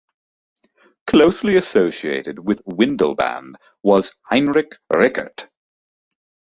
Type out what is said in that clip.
Closely associated with Windelband was Heinrich Rickert.